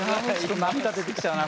涙出てきちゃうなこれ。